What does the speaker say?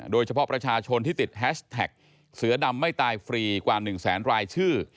โดยเฉพาะประชาชนที่ติดแฮชแท็กเสือดำไม่ตายฟรีกว่า๑แสนรายชื่อ